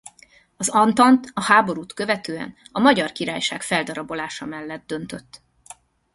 Az antant a háborút követően a Magyar Királyság feldarabolása mellett döntött.